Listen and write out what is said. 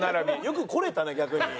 よく来れたな逆に。